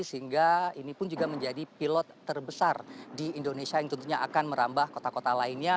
sehingga ini pun juga menjadi pilot terbesar di indonesia yang tentunya akan merambah kota kota lainnya